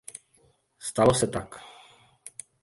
Stalo se tak.